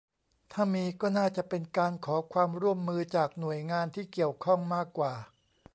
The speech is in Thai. ถ้ามี ก็น่าจะเป็นการขอความร่วมมือจากหน่วยงานที่เกี่ยวข้องมากกว่า